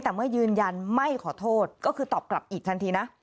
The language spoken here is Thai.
แต่เมื่อยืนยันไม่ขอโทษก็คือตอบกลับอีกทันทีนะ